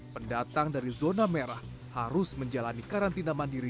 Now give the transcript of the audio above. pendatang dari zona merah harus menjalani karantina mandiri